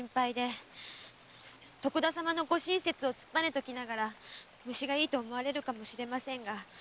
徳田様のご親切を突っぱねときながら虫がいいと思われるかもしれませんが。